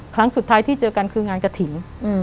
ครั้งสุดท้ายที่เจอกันคืองานกระถิ่น